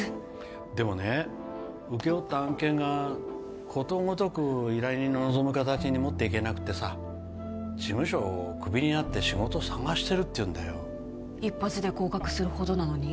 でもね請け負った案件がことごとく依頼人の望む形に持っていけなくてさ事務所クビになって仕事探してるっていうんだよ一発で合格するほどなのに？